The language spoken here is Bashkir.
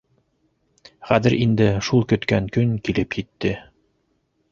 Хәҙер инде шул көткән көн килеп етте.